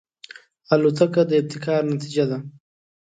الوتکه د ابتکار نتیجه ده.